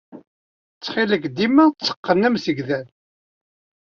Ttxil-k, dima tteqqen amsegdal.